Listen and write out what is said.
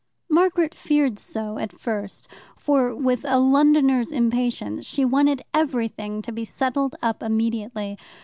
Margaret feared so at first, for, with a Londoner's impatience, she wanted everything to be settled up immediately.